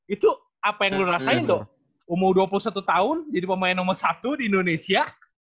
itu apa yang lu rasain loh umur dua puluh satu tahun jadi pemain nomor satu di indonesia